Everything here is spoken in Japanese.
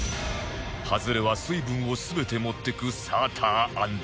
ハズレは水分を全て持ってくサーターアンダギー